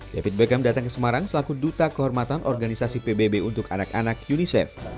david beckham datang ke semarang selaku duta kehormatan organisasi pbb untuk anak anak unicef